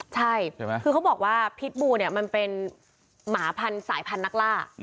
ใช่คือเขาบอกว่าพิษบูมันเป็นสายพันธุ์นักล่า